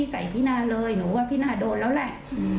หนูว่าพี่นาโดดแล้วแหละ